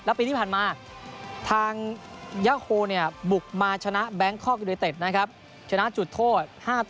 แล้วปีที่ผ่านมาทางยะโหบุกมาชนะแบงกกร้า๐๑นะครับชนะจุดโทษ๕๔